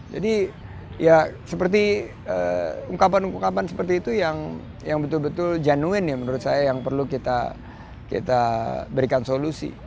jadi ya seperti ungkapan ungkapan seperti itu yang betul betul januin ya menurut saya yang perlu kita berikan solusi